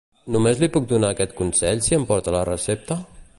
Només li puc donar aquest consell si em porta la recepta?